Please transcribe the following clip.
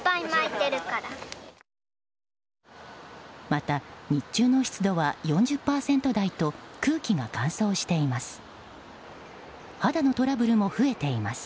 また、日中の湿度は４０％台と空気が乾燥しています。